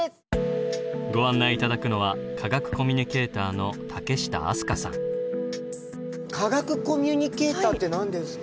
ご案内頂くのは科学コミュニケーターって何ですか？